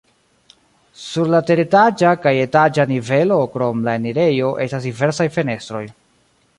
Sur la teretaĝa kaj etaĝa nivelo krom la enirejo estas diversaj fenestroj.